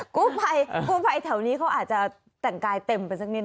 กู้ภัยกู้ภัยแถวนี้เขาอาจจะแต่งกายเต็มไปสักนิด